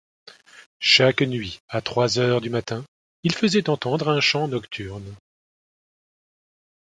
Chaque nuit, à trois heures du matin, ils faisaient entendre un chant nocturne.